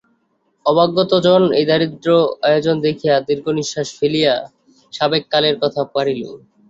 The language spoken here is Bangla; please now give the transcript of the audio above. অভ্যাগতজন এই দরিদ্র আয়োজন দেখিয়া দীর্ঘনিশ্বাস ফেলিয়া সাবেক কালের কথা পাড়িল।